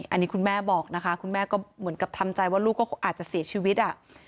อันนี้คุณแม่บอกนะคะคุณแม่ก็เหมือนกับทำใจว่าลูกก็อาจจะเสียชีวิต